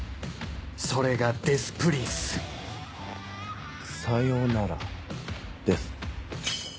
それがデス・プリンスさようならデス